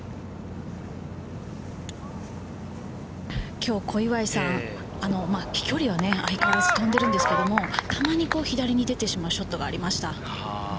きょう、小祝さん、飛距離は相変わらず飛んでるんですけれど、たまに左に出てしまうショットがありました。